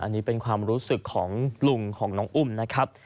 อันนี้เป็นความรู้สึกของลุงของน้องอุ้มนะครับ